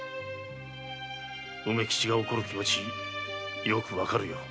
梅吉が怒る気持よくわかるよ。